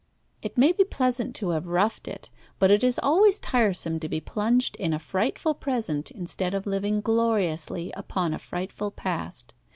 It may be pleasant to have roughed it, but it is always tiresome to be plunged in a frightful present instead of living gloriously upon a frightful past.